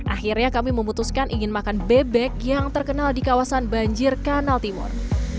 akhirnya kami memutuskan ingin makan bebek yang terkenal di kawasan banjir kanal timur